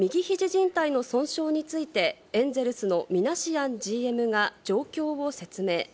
じん帯の損傷について、エンゼルスのミナシアンＧＭが、状況を説明。